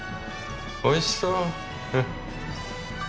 おいしそう。